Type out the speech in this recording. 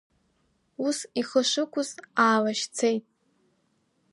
Ус ихы шықәыз аалашьцеит.